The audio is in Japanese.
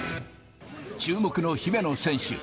注目の姫野選手。